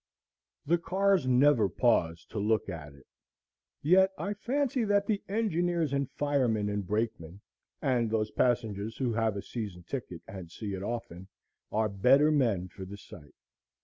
The cars never pause to look at it; yet I fancy that the engineers and firemen and brakemen, and those passengers who have a season ticket and see it often, are better men for the sight.